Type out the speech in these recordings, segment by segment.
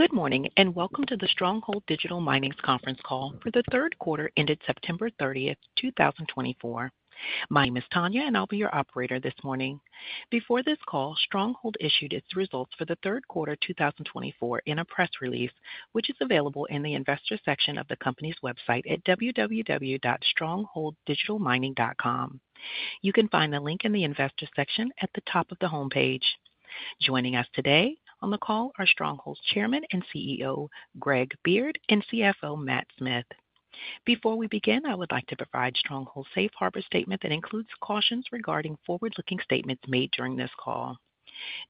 Good morning and welcome to the Stronghold Digital Mining's conference call for the third quarter ended September 30th, 2024. My name is Tanya, and I'll be your operator this morning. Before this call, Stronghold issued its results for the third quarter 2024 in a press release, which is available in the investor section of the company's website at www.strongholddigitalmining.com. You can find the link in the investor section at the top of the homepage. Joining us today on the call are Stronghold's Chairman and CEO, Greg Beard, and CFO, Matt Smith. Before we begin, I would like to provide Stronghold's safe harbor statement that includes cautions regarding forward-looking statements made during this call.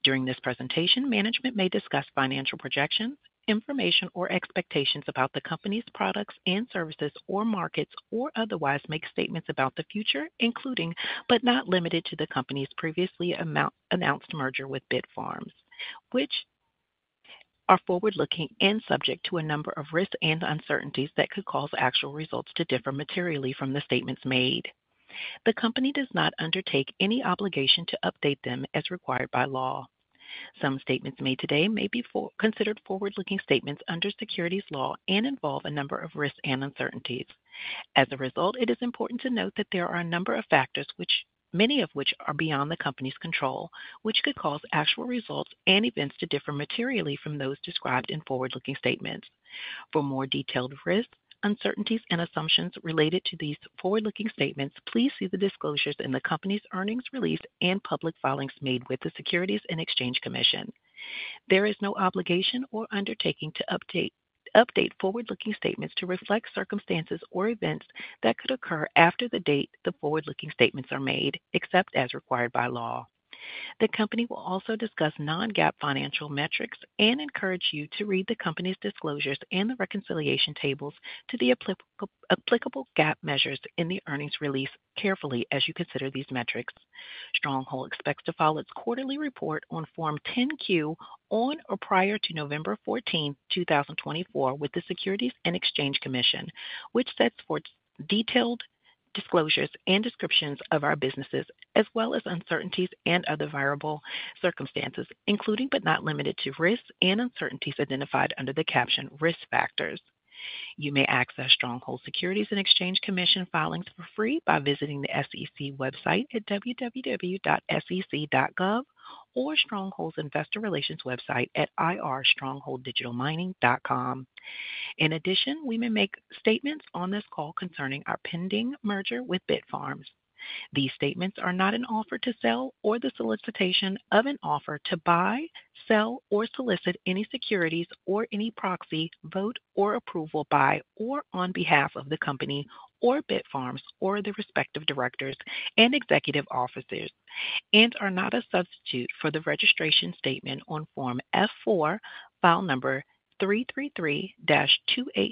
During this presentation, management may discuss financial projections, information, or expectations about the company's products and services or markets, or otherwise make statements about the future, including but not limited to the company's previously announced merger with Bitfarms, which are forward-looking and subject to a number of risks and uncertainties that could cause actual results to differ materially from the statements made. The company does not undertake any obligation to update them as required by law. Some statements made today may be considered forward-looking statements under securities law and involve a number of risks and uncertainties. As a result, it is important to note that there are a number of factors, many of which are beyond the company's control, which could cause actual results and events to differ materially from those described in forward-looking statements. For more detailed risks, uncertainties, and assumptions related to these forward-looking statements, please see the disclosures in the company's earnings release and public filings made with the Securities and Exchange Commission. There is no obligation or undertaking to update forward-looking statements to reflect circumstances or events that could occur after the date the forward-looking statements are made, except as required by law. The company will also discuss non-GAAP financial metrics and encourage you to read the company's disclosures and the reconciliation tables to the applicable GAAP measures in the earnings release carefully as you consider these metrics. Stronghold expects to file its quarterly report on Form 10-Q on or prior to November 14th, 2024, with the Securities and Exchange Commission, which sets forth detailed disclosures and descriptions of our businesses as well as uncertainties and other variable circumstances, including but not limited to risks and uncertainties identified under the caption "Risk Factors." You may access Stronghold's Securities and Exchange Commission filings for free by visiting the SEC website at www.sec.gov or Stronghold's investor relations website at irstrongholddigitalmining.com. In addition, we may make statements on this call concerning our pending merger with Bitfarms. These statements are not an offer to sell or the solicitation of an offer to buy, sell, or solicit any securities or any proxy vote or approval by or on behalf of the company or Bitfarms or the respective directors and executive officers, and are not a substitute for the registration statement on Form F-4, file number 333-282657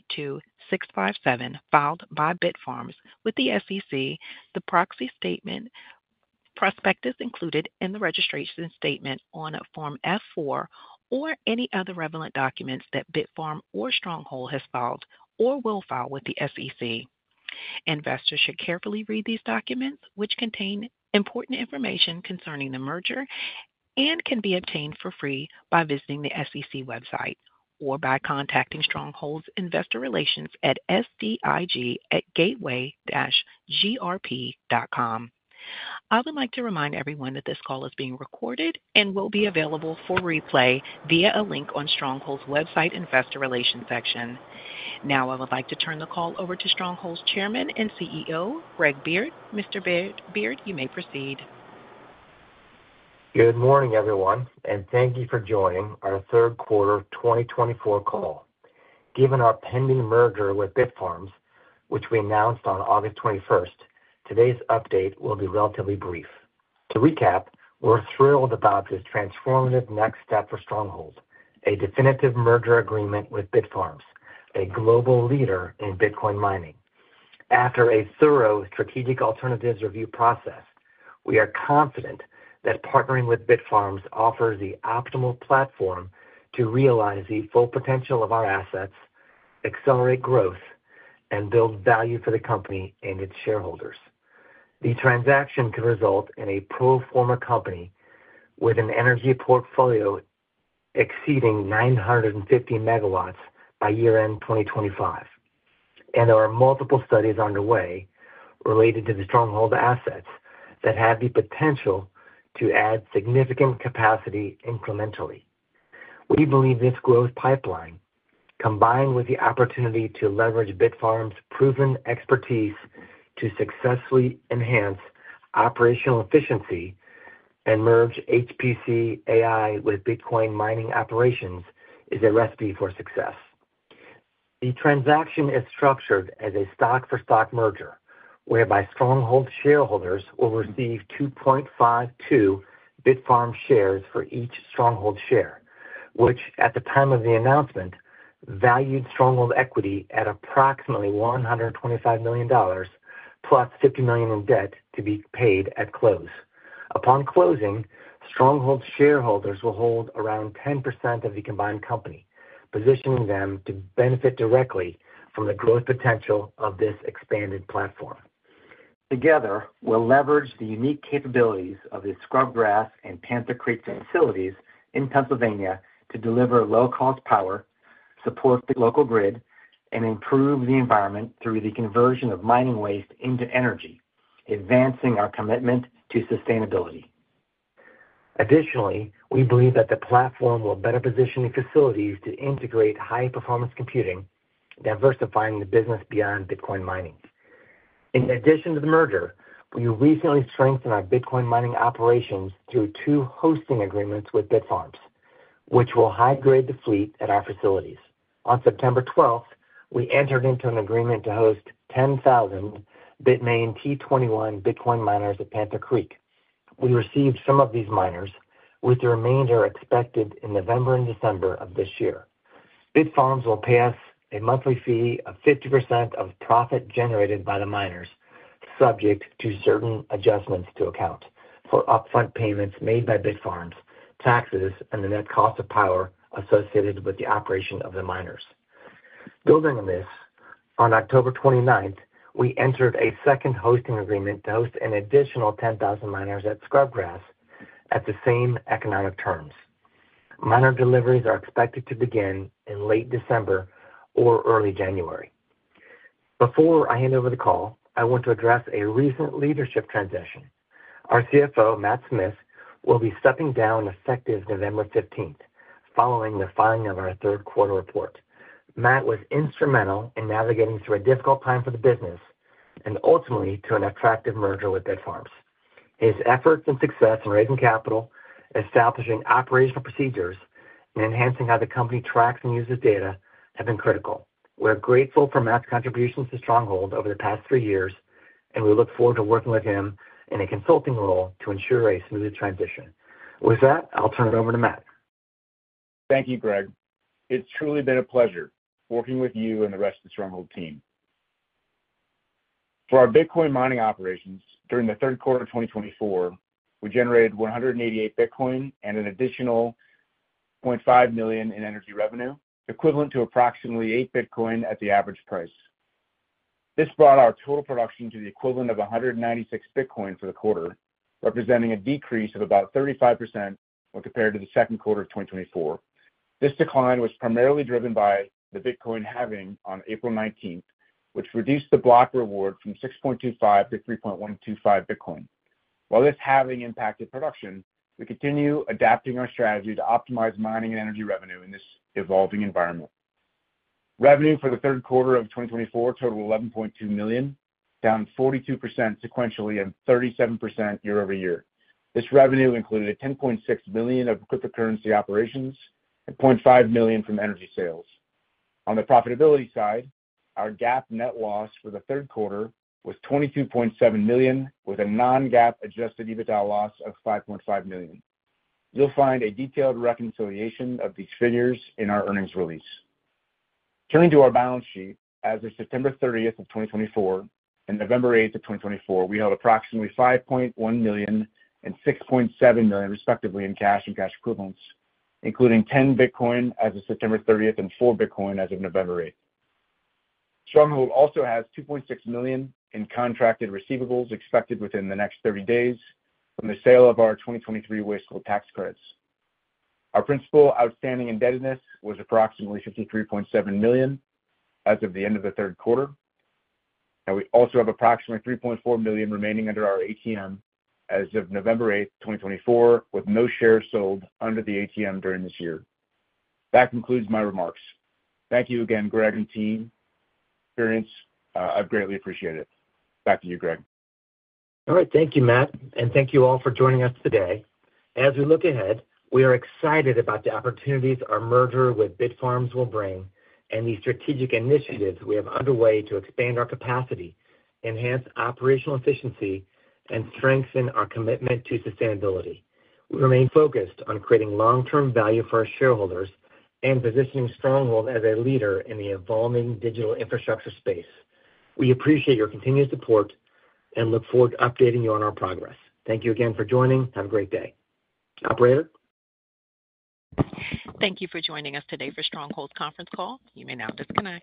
filed by Bitfarms with the SEC, the proxy statement, prospectus included in the registration statement on Form F-4, or any other relevant documents that Bitfarms or Stronghold has filed or will file with the SEC. Investors should carefully read these documents, which contain important information concerning the merger and can be obtained for free by visiting the SEC website or by contacting Stronghold's investor relations at sdig@gateway-grp.com. I would like to remind everyone that this call is being recorded and will be available for replay via a link on Stronghold's website Investor Relations section. Now, I would like to turn the call over to Stronghold's Chairman and CEO, Greg Beard. Mr. Beard, you may proceed. Good morning, everyone, and thank you for joining our third quarter 2024 call. Given our pending merger with Bitfarms, which we announced on August 21st, today's update will be relatively brief. To recap, we're thrilled about this transformative next step for Stronghold: a definitive merger agreement with Bitfarms, a global leader in Bitcoin mining. After a thorough strategic alternatives review process, we are confident that partnering with Bitfarms offers the optimal platform to realize the full potential of our assets, accelerate growth, and build value for the company and its shareholders. The transaction could result in a pro forma company with an energy portfolio exceeding 950 megawatts by year-end 2025, and there are multiple studies underway related to the Stronghold assets that have the potential to add significant capacity incrementally. We believe this growth pipeline, combined with the opportunity to leverage Bitfarms' proven expertise to successfully enhance operational efficiency and merge HPC AI with Bitcoin mining operations, is a recipe for success. The transaction is structured as a stock-for-stock merger, whereby Stronghold shareholders will receive 2.52 Bitfarms shares for each Stronghold share, which, at the time of the announcement, valued Stronghold equity at approximately $125 million, plus $50 million in debt to be paid at close. Upon closing, Stronghold shareholders will hold around 10% of the combined company, positioning them to benefit directly from the growth potential of this expanded platform. Together, we'll leverage the unique capabilities of the Scrubgrass and Panther Creek facilities in Pennsylvania to deliver low-cost power, support the local grid, and improve the environment through the conversion of mining waste into energy, advancing our commitment to sustainability. Additionally, we believe that the platform will better position the facilities to integrate high-performance computing, diversifying the business beyond Bitcoin mining. In addition to the merger, we recently strengthened our Bitcoin mining operations through two hosting agreements with Bitfarms, which will high-grade the fleet at our facilities. On September 12th, we entered into an agreement to host 10,000 Bitmain T21 Bitcoin miners at Panther Creek. We received some of these miners, with the remainder expected in November and December of this year. Bitfarms will pay us a monthly fee of 50% of profit generated by the miners, subject to certain adjustments to account for upfront payments made by Bitfarms, taxes, and the net cost of power associated with the operation of the miners. Building on this, on October 29th, we entered a second hosting agreement to host an additional 10,000 miners at Scrubgrass at the same economic terms. Miner deliveries are expected to begin in late December or early January. Before I hand over the call, I want to address a recent leadership transition. Our CFO, Matt Smith, will be stepping down effective November 15th, following the filing of our third quarter report. Matt was instrumental in navigating through a difficult time for the business and ultimately to an attractive merger with Bitfarms. His efforts and success in raising capital, establishing operational procedures, and enhancing how the company tracks and uses data have been critical. We're grateful for Matt's contributions to Stronghold over the past three years, and we look forward to working with him in a consulting role to ensure a smooth transition. With that, I'll turn it over to Matt. Thank you, Greg. It's truly been a pleasure working with you and the rest of the Stronghold team. For our Bitcoin mining operations, during the third quarter of 2024, we generated 188 Bitcoin and an additional $0.5 million in energy revenue, equivalent to approximately eight Bitcoin at the average price. This brought our total production to the equivalent of 196 Bitcoin for the quarter, representing a decrease of about 35% when compared to the second quarter of 2024. This decline was primarily driven by the Bitcoin halving on April 19th, which reduced the block reward from 6.25 to 3.125 Bitcoin. While this halving impacted production, we continue adapting our strategy to optimize mining and energy revenue in this evolving environment. Revenue for the third quarter of 2024 totaled $11.2 million, down 42% sequentially and 37% year-over-year. This revenue included $10.6 million of cryptocurrency operations and $0.5 million from energy sales. On the profitability side, our GAAP net loss for the third quarter was $22.7 million, with a non-GAAP adjusted EBITDA loss of $5.5 million. You'll find a detailed reconciliation of these figures in our earnings release. Turning to our balance sheet, as of September 30th of 2024 and November 8th of 2024, we held approximately $5.1 million and $6.7 million, respectively, in cash and cash equivalents, including 10 Bitcoin as of September 30th and 4 Bitcoin as of November 8th. Stronghold also has $2.6 million in contracted receivables expected within the next 30 days from the sale of our 2023 Waste Coal tax credits. Our principal outstanding indebtedness was approximately $53.7 million as of the end of the third quarter, and we also have approximately $3.4 million remaining under our ATM as of November 8th, 2024, with no shares sold under the ATM during this year. That concludes my remarks. Thank you again, Greg and team. Your experience, I've greatly appreciated it. Back to you, Greg. All right. Thank you, Matt, and thank you all for joining us today. As we look ahead, we are excited about the opportunities our merger with Bitfarms will bring and the strategic initiatives we have underway to expand our capacity, enhance operational efficiency, and strengthen our commitment to sustainability. We remain focused on creating long-term value for our shareholders and positioning Stronghold as a leader in the evolving digital infrastructure space. We appreciate your continued support and look forward to updating you on our progress. Thank you again for joining. Have a great day. Operator? Thank you for joining us today for Stronghold's conference call. You may now disconnect.